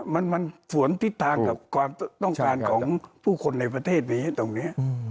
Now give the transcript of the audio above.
มันสวนทิศทางกับความต้องการของผู้คนในประเทศนี้ตรงนี้